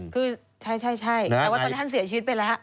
คือใช่แต่ว่าตอนนี้ท่านเสียชีวิตไปแล้ว